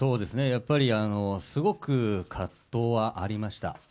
やっぱりすごく葛藤はありました。